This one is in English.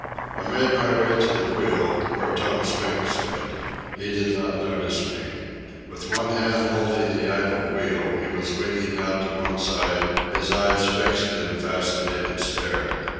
I made my way to the wheel, where Tom Spink stood. He did not notice me. With one hand holding the idle wheel, he was leaning out to one side, his eyes fixed in a fascinated stare.